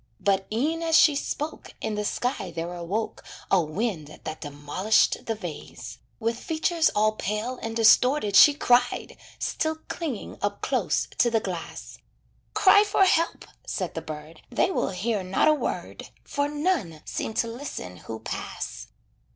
But e'en as she spoke In the sky there awoke A wind that demolished the vase. With features all pale and distorted she cried, Still clinging up close to the glass. "Cry for help." Said the bird, "They will hear not a word, For none seem to listen who pass."